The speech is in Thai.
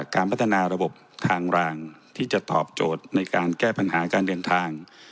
การพัฒนาระบบทางรางที่จะตอบโจทย์ในการแก้ปัญหาการเดินทาง